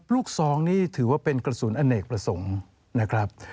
ซองนี่ถือว่าเป็นกระสุนอเนกประสงค์นะครับ